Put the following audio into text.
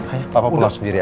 hanya papa pulang sendiri aja